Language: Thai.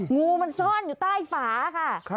งูมันซ่อนอยู่ใต้ฝาค่ะ